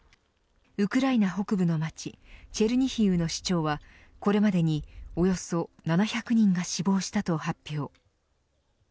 ウクライナ北部の街チェルニヒウの市長はこれまでにおよそ７００人が死亡したと発表。